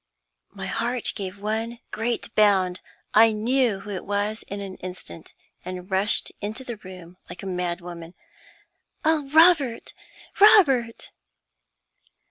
My heart gave one great bound: I knew who it was in an instant, and rushed into the room like a mad woman. "Oh, Robert, Robert!"